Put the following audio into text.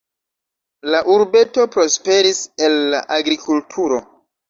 La urbeto prosperis el la agrikulturo.